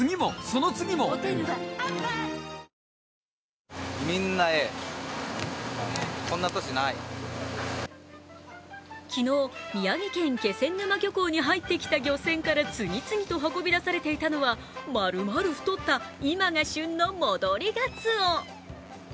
更に、今年は昨日、宮城県気仙沼漁港に入ってきた漁船から次々と運び出されていたのは丸々太った今が旬の戻りがつお。